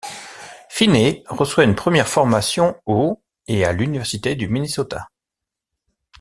Finney reçoit une première formation au et à l'université du Minnesota.